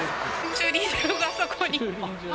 駐輪場があそこに。